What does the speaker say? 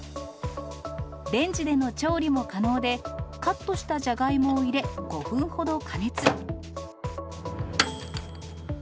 レンジでの調理も可能で、カットしたじゃがいもを入れ、５分ほど加熱。